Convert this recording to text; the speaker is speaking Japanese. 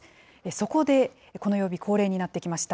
そこで、この曜日恒例になってきました、